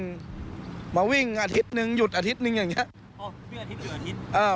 คือมาวิ่งอาทิตย์หนึ่งหยุดอาทิตย์หนึ่งอย่างงี้